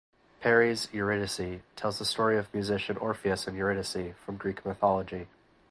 Peri's "Euridice" tells the story of the musician Orpheus and Euridice from Greek Mythology.